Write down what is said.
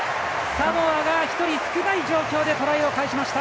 サモアが１人少ない状況でトライを返しました。